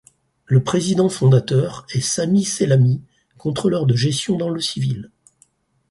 Le président fondateur est Sami Sellami, contrôleur de gestion dans le civil.